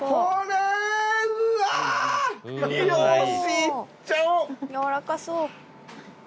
やわらかそう。